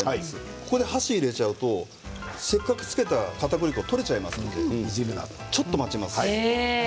ここで箸をつけてしまうとせっかくつけたかたくり粉が取れてしまいますのでちょっと待ちます。